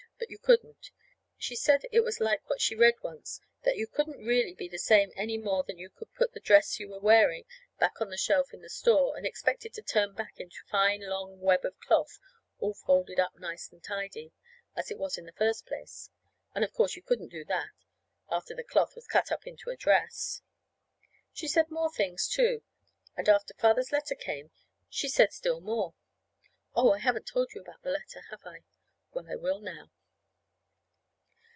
But you couldn't. She said it was like what she read once, that you couldn't really be the same any more than you could put the dress you were wearing back on the shelf in the store, and expect it to turn back into a fine long web of cloth all folded up nice and tidy, as it was in the first place. And, of course, you couldn't do that after the cloth was all cut up into a dress! She said more things, too; and after Father's letter came she said still more. Oh, and I haven't told yet about the letter, have I? Well, I will now.